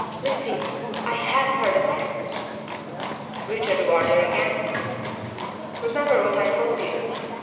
"Lucy! I have heard of him!" "Richard Wardour again?" "Remember what I told you.